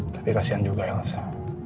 tapi kasian juga elsa